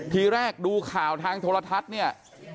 ทีแรกดูข่าวทางโทรทัศน์เนี่ย